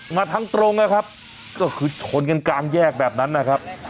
มาทางตรงนะครับก็คือชนกันกลางแยกแบบนั้นนะครับ